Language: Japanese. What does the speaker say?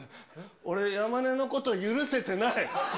俺、山根のこと、許せてない。